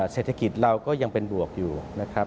เศรษฐกิจเราก็ยังเป็นบวกอยู่นะครับ